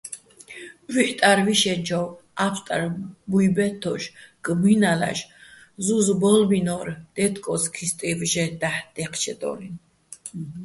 ვუჰ̦ტა́რ ვიშენჩოვ, ა́ფსტარხ ბუჲ ბე́თთოშ, გმინალაშ ზუზ ბო́ლბინო́რ დაჲთკოს ქისტივ ჟე დაჰ̦ დაჲჴჩედო́ლიჼ.